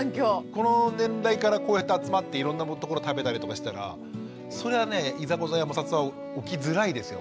この年代からこうやって集まっていろんなところ食べたりとかしたらそりゃねいざこざや摩擦は起きづらいですよ。